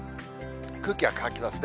空気は乾きますね。